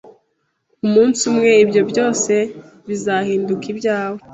Umunsi umwe, ibyo byose bizahinduka ibyawe.